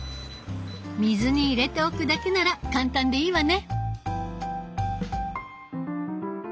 水に入れておくだけなら簡単でいいわね。